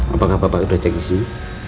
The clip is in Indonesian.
apakah pak bercek disini